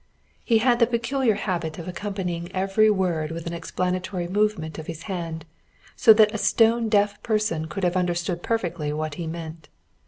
He had the peculiar habit of accompanying every word with an explanatory movement of his hand, so that a stone deaf person could have understood perfectly what he meant.